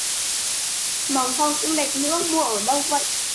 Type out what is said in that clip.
Màu son cũng đẹp nữa mua ở đâu vậy